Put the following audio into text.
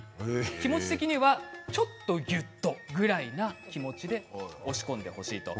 気持ち的にはちょっとぎゅっとぐらいな気持ちで押し込んでほしい。